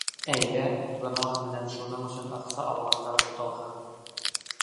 Әйҙә гонаһ менән шуның өсөн аҡса алғандар буталһын.